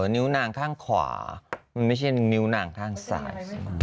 นิ้วนางข้างขวามันไม่ใช่นิ้วนางข้างซ้าย